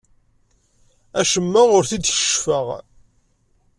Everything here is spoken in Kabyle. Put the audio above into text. Acemma ur t-id-keccfeɣ.